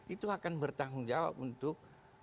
itu akan bertanggung jawab untuk